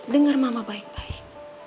dengar mama baik baik